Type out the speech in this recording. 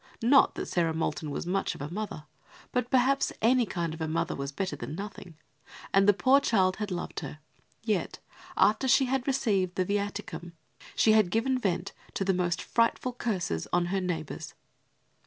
Not that Sarah Moulton was much of a mother; but perhaps any kind of a mother was better than nothing, and the poor child had loved her; yet, after she had received the viaticum, she had given vent to the most frightful curses on her neighbours.